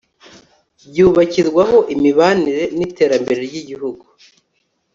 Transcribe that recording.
byubakirwaho imibanire n'iterambere ry'igihugu